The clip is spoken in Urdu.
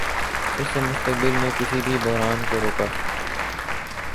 اس سے مستقبل میں کسی بھی بحران کو روکا